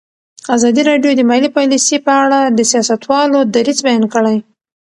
ازادي راډیو د مالي پالیسي په اړه د سیاستوالو دریځ بیان کړی.